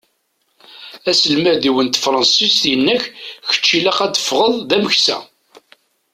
Aselmad-iw n tefransist yenna-k: Kečč ilaq ad d-teffɣeḍ d ameksa.